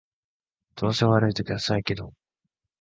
調子が悪い時は再起動